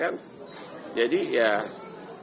ya mungkin ini baru pertama kali